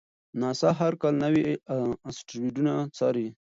ناسا هر کال نوي اسټروېډونه څاري.